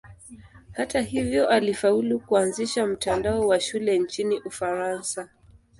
Hata hivyo alifaulu kuanzisha mtandao wa shule nchini Ufaransa.